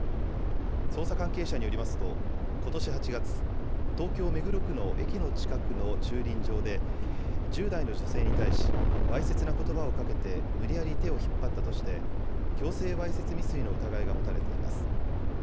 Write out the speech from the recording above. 捜査関係者によりますと、ことし８月、東京・目黒区の駅の近くの駐輪場で、１０代の女性に対し、わいせつなことばをかけて、無理やり手を引っ張ったとして、強制わいせつ未遂の疑いが持たれています。